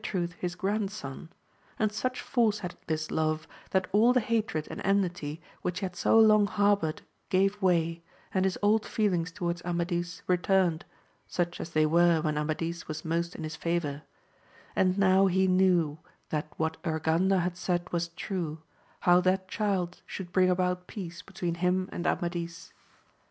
truth his grandson, and such force had this love, that all the hatred and enmity which he had so long har boured gave way, and his old feelings towards Amadis returned, such as they were when Amadis was most in his favour, and now he knew that what Urganda had said was true, how that child should bring about peace between him and Amadis.